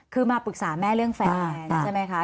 คือมาปรึกษาแม่เรื่องแฟนใช่ไหมคะ